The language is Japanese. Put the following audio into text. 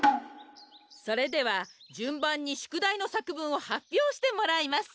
それではじゅんばんにしゅくだいのさくぶんをはっぴょうしてもらいます。